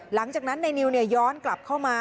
หลังจากนั้นนายนิวย้อนกลับเข้ามา